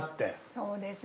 そうですね。